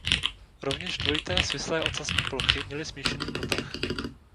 Rovněž dvojité svislé ocasní plochy měly smíšený potah.